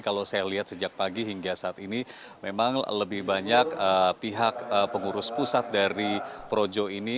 kalau saya lihat sejak pagi hingga saat ini memang lebih banyak pihak pengurus pusat dari projo ini